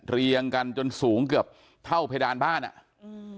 เรียงกันจนสูงเกือบเท่าเพดานบ้านอ่ะอืม